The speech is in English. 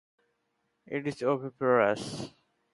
It is oviparous.